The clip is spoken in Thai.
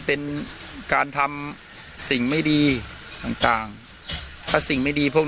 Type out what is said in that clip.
เป็นการทำสิ่งไม่ดีทางต่าง